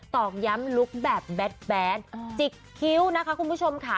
อกย้ำลุคแบบแบนจิกคิ้วนะคะคุณผู้ชมค่ะ